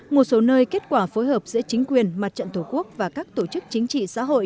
một số nơi kết quả phối hợp giữa chính quyền mặt trận tổ quốc và các tổ chức chính trị xã hội